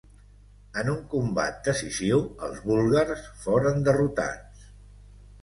En un combat decisiu els búlgars foren derrotats.